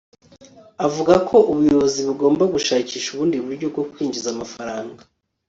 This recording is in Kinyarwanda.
Avuga ko ubuyobozi bugomba gushakisha ubundi buryo bwo kwinjiza amafaranga